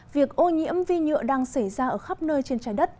việc ô nhiễm vi nhựa đang xảy ra ở khắp nơi trên trái đất